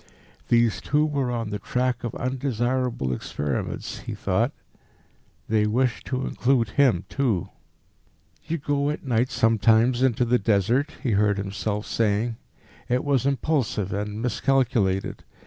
These two were on the track of undesirable experiments, he thought.... They wished to include him too. "You go at night sometimes into the Desert?" he heard himself saying. It was impulsive and miscalculated.